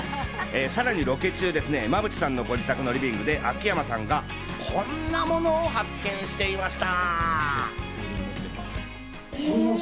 さらにロケ中、馬淵さんの自宅のご自宅のリビングで秋山さんがこんなものを発見していました。